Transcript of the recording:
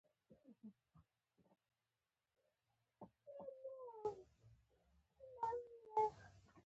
هغه نوی ګورنر ټاکلی دی.